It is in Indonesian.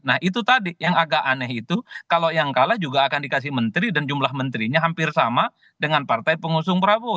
nah itu tadi yang agak aneh itu kalau yang kalah juga akan dikasih menteri dan jumlah menterinya hampir sama dengan partai pengusung prabowo